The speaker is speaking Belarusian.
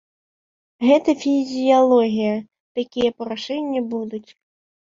Гэта фізіялогія, такія парушэнні будуць.